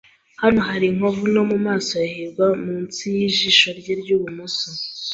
Hano hari inkovu nto mumaso ya hirwa munsi yijisho rye ryibumoso.